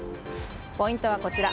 ポイントはこちら。